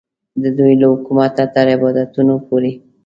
د دوی له حکومته تر عبادتونو پورې.